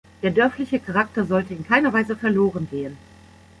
Der dörfliche Charakter sollte in keiner Weise verloren gehen.